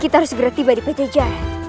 kita harus segera tiba di pjj